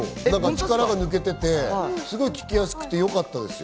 力が抜けていて聞きやすくてよかったですよ。